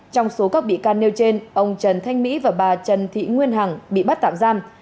trong số các bị can nêu trên ông trần thanh mỹ và bà trần thị nguyên hằng bị bắt tạm giam